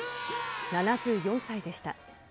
７４歳でした。